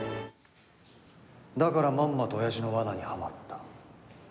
だから、まんまとおやじのわなにはまった。